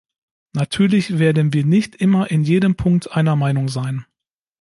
Natürlich werden wir nicht immer in jedem Punkt einer Meinung sein.